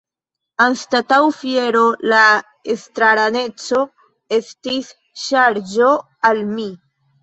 Anstataŭ fiero, la estraraneco estis ŝarĝo al mi.